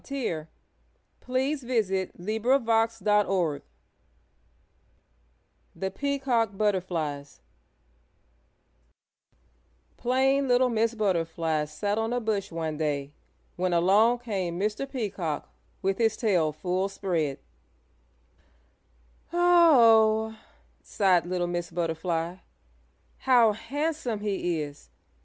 THE PEACOCK BUTTERFLIES [Illustration: The Peacock Butterflies] Plain little Miss Butterfly sat on a bush one day, when along came Mr. Peacock, with his tail full spread. "Oh oh!" sighed little Miss Butterfly. "How handsome he is!